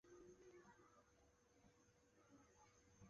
另外也有倡建者是打铁庄王长泰的说法。